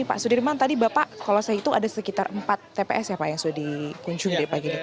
pak sudirman tadi bapak kalau saya hitung ada sekitar empat tps ya pak yang sudah dikunjungi pagi ini